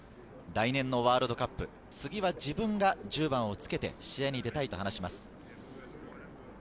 来年のワールドカップ、次は自分が１０番をつけて試合に出たいと話します。